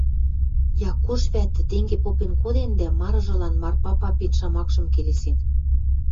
Якуш вӓтӹ тенге попен коден дӓ марыжылан Марпа папин шамакшым келесен.